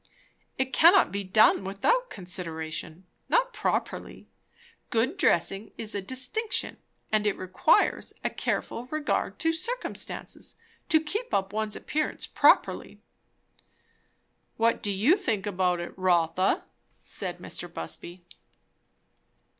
"It cannot be done without consideration; not properly. Good dressing is a distinction; and it requires a careful regard to circumstances, to keep up one's appearance properly." "What do you think about it, Rotha?" said Mr. Busby.